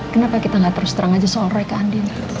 kenapa kita gak terus terang aja soal rai ke andin